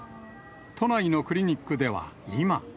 都内のクリニックでは今。